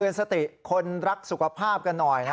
สติคนรักสุขภาพกันหน่อยนะ